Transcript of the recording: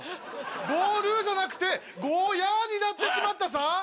「ゴール」じゃなくて「ゴーヤ」になってしまったさ。